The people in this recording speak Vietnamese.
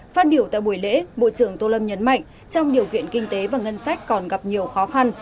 phát biểu tại buổi lễ bộ trưởng tô lâm nhấn mạnh trong điều kiện kinh tế và ngân sách còn gặp nhiều khó khăn